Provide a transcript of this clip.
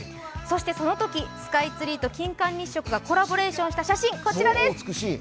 そのとき、スカイツリーと金環日食がコラボレーションした写真こちらです。